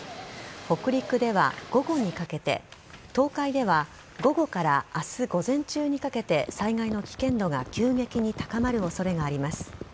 北陸では午後にかけて東海では午後から明日午前中にかけて災害の危険度が急激に高まる恐れがあります。